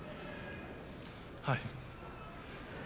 はい。